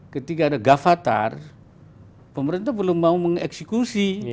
ketika ada gavatar pemerintah belum mau mengeksekusi